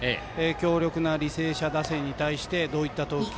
強力な履正社打線にどういった投球。